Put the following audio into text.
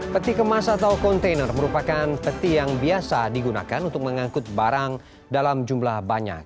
peti kemas atau kontainer merupakan peti yang biasa digunakan untuk mengangkut barang dalam jumlah banyak